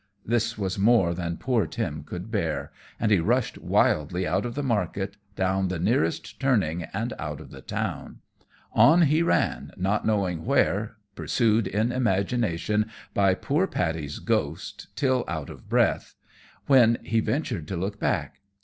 This was more than poor Tim could bear, and he rushed wildly out of the market, down the nearest turning, and out of the town. On he ran, not knowing where, pursued in imagination by poor Paddy's ghost, till out of breath, when he ventured to look back.